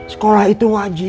sekolah itu wajib